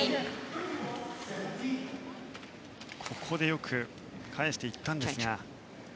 よく返していったんですが。